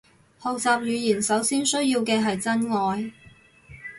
學習語言首先需要嘅係真愛